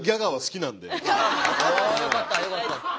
あよかったよかった。